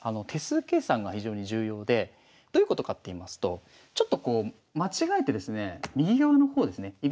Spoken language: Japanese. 手数計算が非常に重要でどういうことかって言いますとちょっとこう間違えてですね右側の方ですね